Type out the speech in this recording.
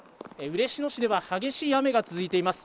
嬉野市では激しい雨が続いています。